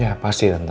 ya pasti tante